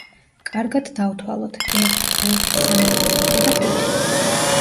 კარგად დავთვალოთ, ერთი, ორი, სამი, ოთხი და ხუთი.